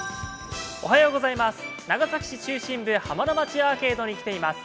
長崎市中心部浜町アーケードに来ています。